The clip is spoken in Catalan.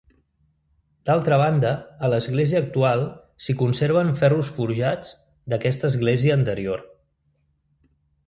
D'altra banda, a l'església actual s'hi conserven ferros forjats d'aquesta església anterior.